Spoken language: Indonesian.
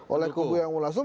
oleh kubu yang munaslup